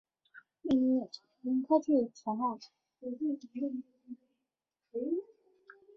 奖项会在决赛日前的夜祭作颁奖。